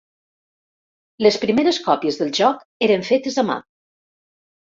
Les primeres còpies del joc eren fetes a mà.